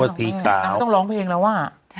ต้องร้องเพลงแล้วว่ะ